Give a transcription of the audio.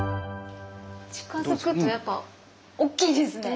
近づくとやっぱ大きいですね。